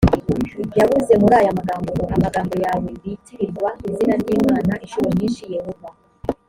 yab uze muri aya magambo ngo amagambo yawe bitirirwa izina ry imana incuro nyinshi yehova